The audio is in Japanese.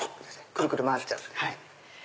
くるくる回っちゃう。